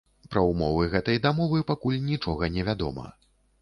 Пра ўмовы гэтай дамовы пакуль нічога не вядома.